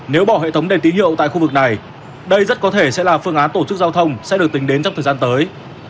nếu bỏ hệ thống đèn tín hiệu tại khu vực này đây rất có thể sẽ là phương án tổ chức giao thông sẽ được tính đến trong thời gian tới